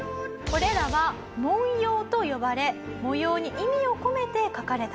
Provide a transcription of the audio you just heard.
これらは「文様」と呼ばれ模様に意味を込めて描かれたもの。